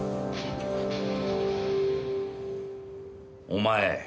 お前